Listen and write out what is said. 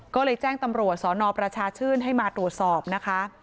ก็เลยแจ้งตำรวจสนประชาชื่นให้มาตรวจสอบนะคะ